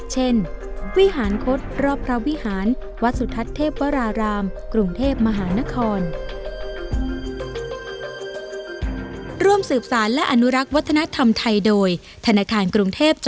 วิหารคศรอบพระวิหารวัดสุทัศน์เทพวรารามกรุงเทพมหานคร